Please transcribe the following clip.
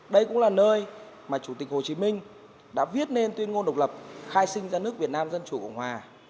đây cũng là nơi mà chủ tịch hồ chí minh đã viết nên tuyên ngôn độc lập khai sinh ra nước việt nam dân chủ cộng hòa